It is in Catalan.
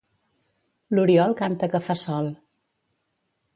L'oriol canta que fa sol.